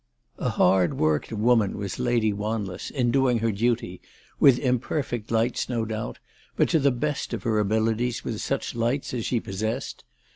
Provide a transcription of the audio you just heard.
A hard worked woman was Lady Wan less, in doing her duty, with imperfect lights no doubt, but to the best of her abilities with such lights as she possessed.